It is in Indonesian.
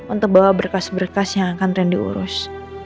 untuk bawa berkas berkas yang akan rendi urus